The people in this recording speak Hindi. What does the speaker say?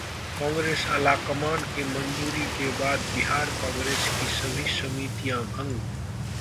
कांग्रेस आलाकमान की मंजूरी के बाद बिहार कांग्रेस की सभी समितियां भंग